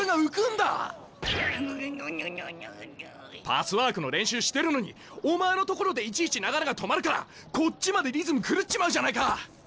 パスワークの練習してるのにお前の所でいちいち流れが止まるからこっちまでリズム狂っちまうじゃないか！